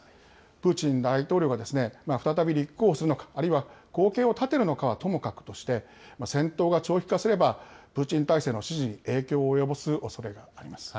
プーチン大統領が再び立候補するのか、あるいは後継を立てるのかはともかくとして、戦闘が長期化すれば、プーチン体制の支持に影響を及ぼすおそれがあります。